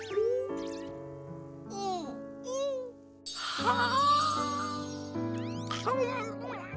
はあ！